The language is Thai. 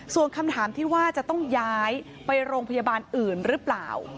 ส่วนคำถามที่ว่าจะต้องย้ายไปโรงพยาบาลอื่นหรือเปล่า